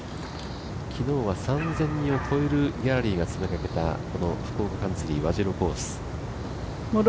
昨日は３０００人を超える観客が詰めかけたこの福岡カンツリー和白コース。